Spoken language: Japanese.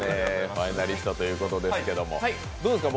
ファイナリストということですけどもどうですか？